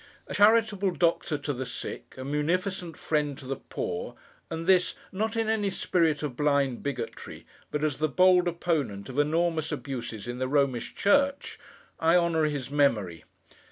A charitable doctor to the sick, a munificent friend to the poor, and this, not in any spirit of blind bigotry, but as the bold opponent of enormous abuses in the Romish church, I honour his memory.